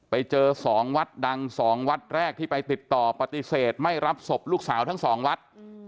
ไปเจอ๒วัดดัง๒วัดแรกที่ไปติดต่อปฏิเสธไม่รับศพลูกสาวทั้งสองวัด